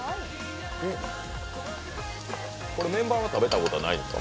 メンバーは食べたことないんですか？